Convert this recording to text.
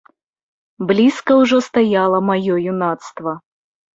Блізка ўжо стаяла маё юнацтва.